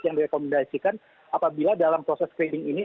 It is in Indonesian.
yang direkomendasikan apabila dalam proses screening ini